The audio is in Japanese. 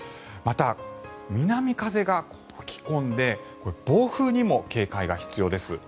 また南風が吹き込んで暴風にも警戒が必要です。